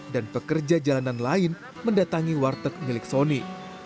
dan pekerja jalanan lain mendatangi warteg milik soni